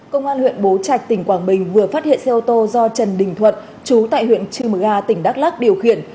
công an huyện bố trạch tỉnh quảng bình vừa phát hiện xe ô tô do trần đình thuận trú tại huyện trư mực a tỉnh đắk lắc điều khiển